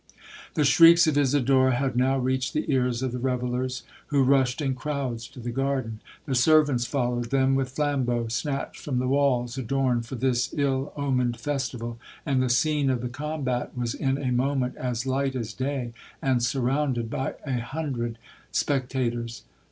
'The shrieks of Isidora had now reached the ears of the revellers, who rushed in crowds to the garden—the servants followed them with flambeaux snatched from the walls adorned for this ill omened festival, and the scene of the combat was in a moment as light as day, and surrounded by a hundred spectators.